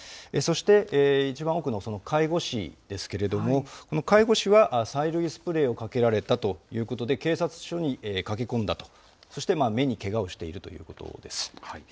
そして、一番奥の介護士ですけれども、この介護士は、催涙スプレーをかけられたということで、警察署に駆け込んだと、そして目にけがをしているということです。